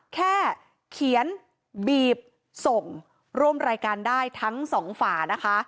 แค่เขียนบีบส่งร่วมรายการได้ทั้งสองฝานะคะ